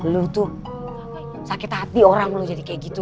lu tuh sakit hati orang lo jadi kayak gitu